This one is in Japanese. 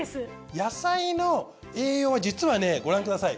野菜の栄養は実はねご覧ください。